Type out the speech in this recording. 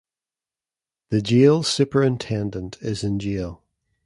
The jail superintendent is in jail.